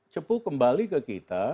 cepu kembali ke kita